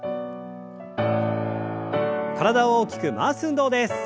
体を大きく回す運動です。